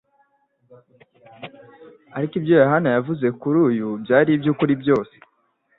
ariko ibyo Yohana yavuze kuri uyu byari iby'ukuri byose."